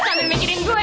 sambil mikirin gue